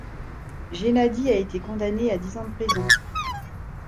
Gennady a été condamné à dix ans de prison.